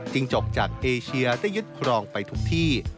จกจากเอเชียได้ยึดครองไปทุกที่